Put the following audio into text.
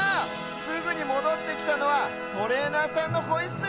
すぐにもどってきたのはトレーナーさんのホイッスル。